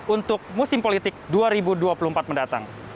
untuk musim politik dua ribu dua puluh empat mendatang